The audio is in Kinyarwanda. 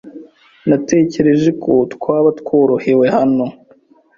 Natekereje ko twaba tworohewe hano.